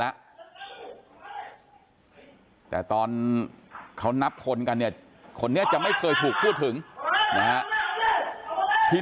แล้วแต่ตอนเขานับคนกันเนี่ยคนนี้จะไม่เคยถูกพูดถึงนะฮะที่